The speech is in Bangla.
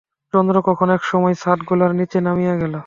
চন্দ্র কখন এক সময় ছাদগুলার নীচে নামিয়া গেল।